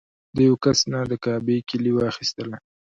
د یوه کس نه د کعبې کیلي واخیستله.